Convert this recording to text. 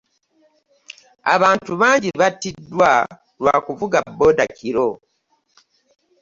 Abantu bangi battiddwa lwa kuvuga booda ekiro.